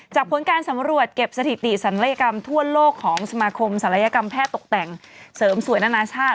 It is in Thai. ผลการสำรวจเก็บสถิติศัลยกรรมทั่วโลกของสมาคมศัลยกรรมแพทย์ตกแต่งเสริมสวยนานาชาติ